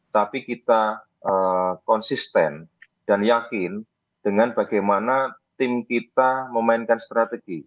tapi kita konsisten dan yakin dengan bagaimana tim kita memainkan strategi